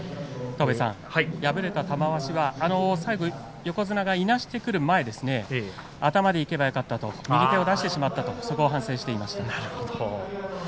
敗れた玉鷲は最後横綱がいなしてくる前ですね頭でいけばよかったと右手を出してしまったとそこを反省していました。